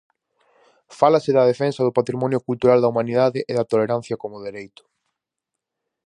Fálase da defensa do patrimonio cultural da humanidade e da tolerancia como dereito.